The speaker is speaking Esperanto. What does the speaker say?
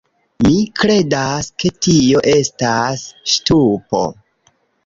Mi kredas, ke tio estas ŝtupo